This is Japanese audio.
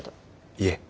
いえ。